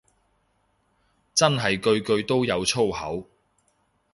真係句句都有粗口